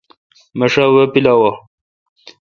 مہ شا وہ پلاوہ۔